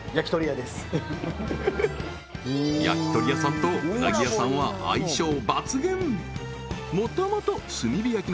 焼き鳥屋さんと鰻屋さんは相性抜群